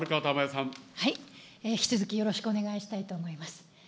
引き続きよろしくお願いしたいと思います。